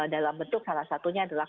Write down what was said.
dalam bentuk salah satunya adalah